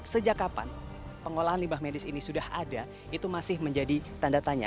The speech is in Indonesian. sejak kapan pengolahan limbah medis ini sudah ada itu masih menjadi tanda tanya